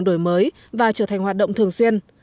đổi mới và trở thành hoạt động thường xuyên